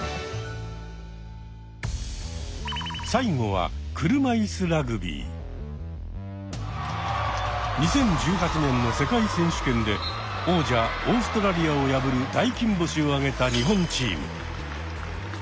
最後は２０１８年の世界選手権で王者オーストラリアを破る大金星を挙げた日本チーム。